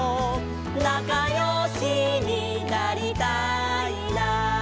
「なかよしになりたいな」